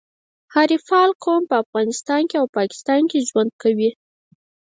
حریفال قوم په افغانستان او پاکستان کي ژوند کوي.